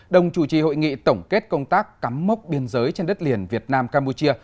đồng chủ trì hội nghị tổng kết công tác cắm mốc biên giới trên đất liền việt nam campuchia